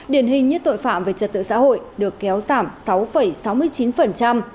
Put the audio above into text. điển hình như tội phạm về trật tự xã hội được kéo giảm sáu sáu mươi chín